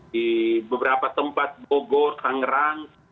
di beberapa tempat bogor hang rang